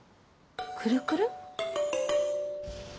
くるくる？